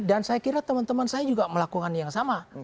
dan saya kira teman teman saya juga melakukan yang sama